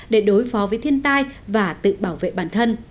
để đối phó với thiên tai và tự bảo vệ bản thân